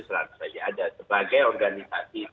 selalu saja ada sebagai organisasi